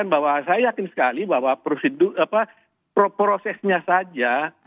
bahwa saya yakin sekali bahwa prosesnya saja